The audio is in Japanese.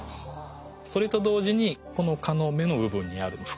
それと同時にこの蚊の目の部分にある複眼。